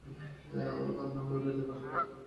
আন্না মেমোরিয়ালের পাশের বড় কলেজটা?